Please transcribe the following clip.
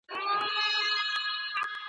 په اوږد مزله کي به دي پر لار سم ..